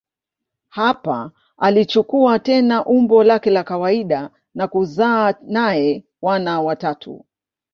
Hapa alichukua tena umbo lake la kawaida na kuzaa naye wana watatu.